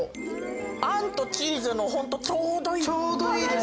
あんとチーズのホントちょうどいい。